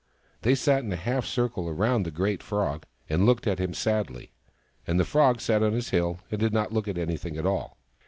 They sat in a half circle round the great Frog and looked at him sadly ; and the Frog sat on his hill and did not look at anything at all.